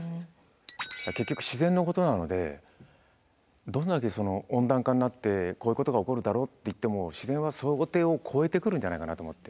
結局自然のことなのでどんだけ温暖化になってこういうことが起こるだろうって言っても自然は想定を超えてくるんじゃないかなと思って。